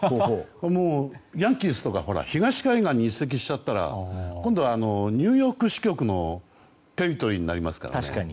もうヤンキースとか東海岸に移籍しちゃったら今度はニューヨーク支局のテリトリーになりますからね。